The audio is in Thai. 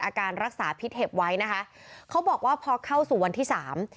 อาการรักษาพิษเห็บไว้นะคะเขาบอกว่าพอเข้าสู่วันที่สาม